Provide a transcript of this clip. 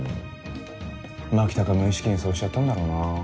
牧高無意識にそうしちゃったんだろうな。